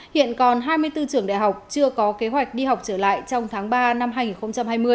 hiện còn hai mươi bốn trường đại học chưa có kế hoạch đi học trở lại trong tháng ba năm hai nghìn hai mươi